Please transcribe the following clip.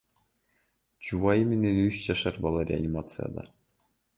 Жубайы менен үч жашар бала реанимацияда.